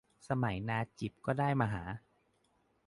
สมัยนาจิบก็ได้มหา